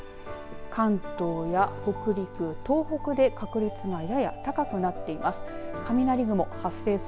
関東や北陸、東北で確率がやや高くなっています。